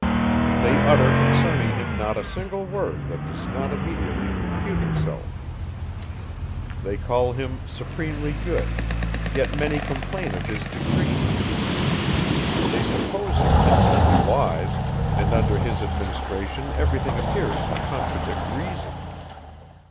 They utter concerning him not a single word that does not immediately confute itself. They call him supremely good; yet many complain of his decrees. They suppose him infinitely wise; and under his administration everything appears to contradict reason.